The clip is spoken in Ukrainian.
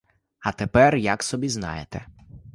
А тепер — як собі знаєте.